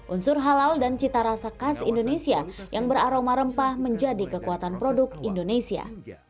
unsur halal dan cita rasa khas indonesia yang beraroma rempah menjadi kekuatan produk indonesia